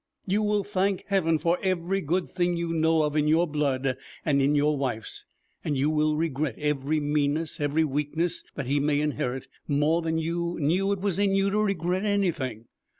You will thank Heaven for every good thing you know of in your blood and in your wife's, and you will regret every meanness, every weakness, that he may inherit, more than you knew it was in you to regret anything.